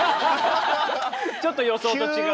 ちょっと予想と違う。